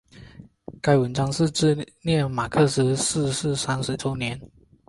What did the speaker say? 该文章是为了纪念马克思逝世三十周年。